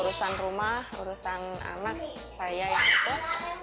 urusan rumah urusan anak saya yang itu